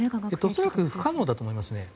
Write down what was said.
恐らく不可能だと思います。